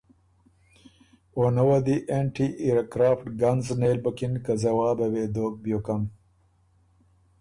او نۀ وه دی انټی ائرکرافټ ګنز نېل بُکِن که ځوابه وې دوک بیوکن۔